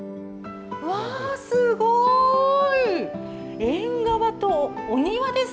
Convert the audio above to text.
わー、すごい！